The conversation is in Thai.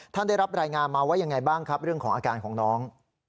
ได้รับรายงานมาว่ายังไงบ้างครับเรื่องของอาการของน้อง